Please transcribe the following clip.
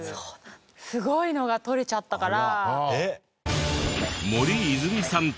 すごいのが撮れちゃったから。